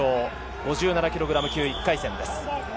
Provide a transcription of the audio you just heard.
５７ｋｇ級、１回戦です。